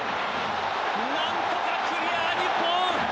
何とかクリア、日本。